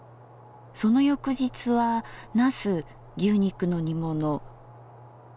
その翌日は「茄子牛肉の煮物」。